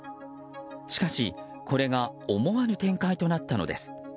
しかし、これが思わぬ展開となったのです。